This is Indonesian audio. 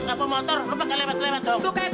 apa motor lu pakai lewat lewat dong